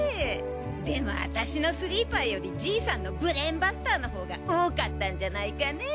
でも私のスリーパーよりじいさんのブレーンバスターのほうが多かったんじゃないかね。